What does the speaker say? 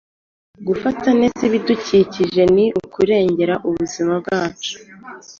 Gufata neza ibidukikije ni ukurengera ubuzima bwacu.»